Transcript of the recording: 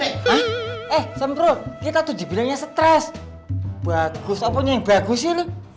hah eh sempro kita tuh dibilangnya stres bagus apanya yang bagus sih lu